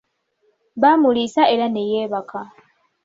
Baamuliisa era ne yeebaka.